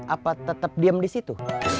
apa tetap diam di situ